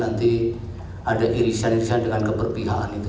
nanti ada irisan irisan dengan keberpihakan itu